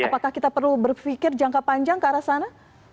apakah kita perlu berpikir jangka panjang ke arah sana